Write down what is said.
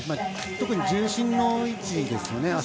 特に重心の位置ですよね。